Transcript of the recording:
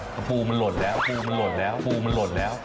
เพราะปูมันหลดแล้วปูมันหลดแล้วปูมันหลดแล้ว